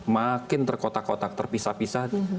makin terkotak kotak terpisah pisah